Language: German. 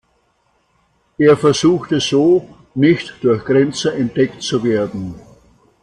Er versuchte so, nicht durch Grenzer entdeckt zu werden.